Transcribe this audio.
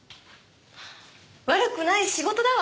悪くない仕事だわ。